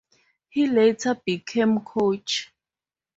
He later became coach.